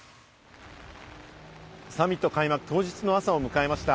サミット開幕当日の朝を迎えました。